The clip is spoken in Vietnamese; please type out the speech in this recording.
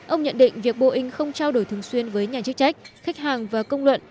ông nhận định việc boeing không trao đổi thường xuyên với nhà chức trách khách hàng và công luận